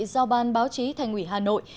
giao ban báo chí thành ủy hà nội